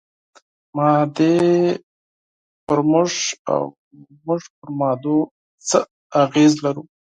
مادې پر موږ او موږ پر مادو څه اغېز لرو؟